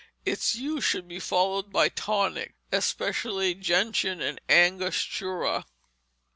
_ Its use should be followed by tonics, especially gentian and angostura.